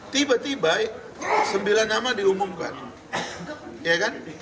tiba tiba sembilan nama diumumkan